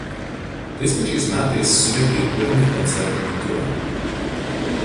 Tais pačias metais surengia ir pirmajį koncertinį turą.